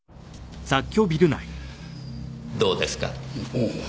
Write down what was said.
ああ。